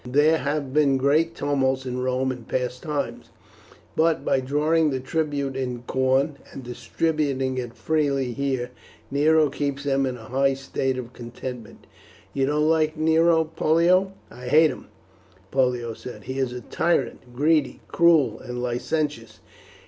There have been great tumults in Rome in past times, but by drawing the tribute in corn and distributing it freely here Nero keeps them in a high state of contentment." "You don't like Nero, Pollio?" "I hate him," Pollio said. "He is a tyrant greedy, cruel, and licentious.